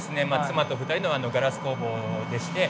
妻と２人のガラス工房でして。